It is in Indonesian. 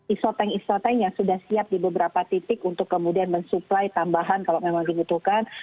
isoteng isoteng yang sudah siap di beberapa titik untuk kemudian mensuplai tambahan kalau memang dibutuhkan